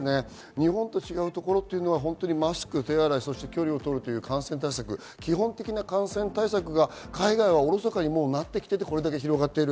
日本と違うところはマスク、手洗い、距離を取るという感染対策、基本的な対策が海外はおろそかになってきていて、広がっている。